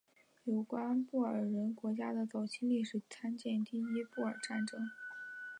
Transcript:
有关布尔人国家的早期历史参见第一次布尔战争。